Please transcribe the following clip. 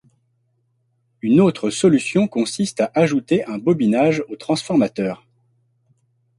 Une autre solution consiste à ajouter un bobinage au transformateur.